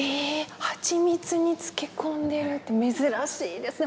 はちみつに漬け込んでるって珍しいですね。